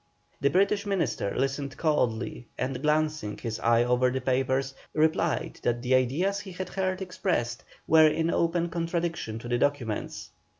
The British Minister listened coldly, and glancing his eye over the papers, replied that the ideas he had heard expressed were in open contradiction to the documents.